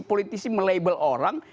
politisi melabel orang